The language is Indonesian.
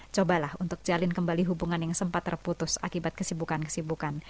cobalah untuk jalin kembali hubungan yang sempat terputus akibat kesibukan kesibukan